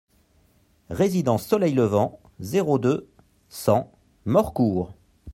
Résidence Soleil Levant, zéro deux, cent Morcourt